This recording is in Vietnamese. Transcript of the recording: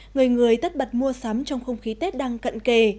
người người tất bật mua sắm trong không khí tết đang cận kề